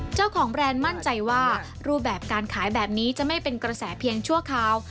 แบรนด์มั่นใจว่ารูปแบบการขายแบบนี้จะไม่เป็นกระแสเพียงชั่วคราว